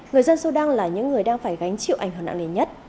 người dân sudan là những người đang phải gánh chịu ảnh hưởng nặng nề nhất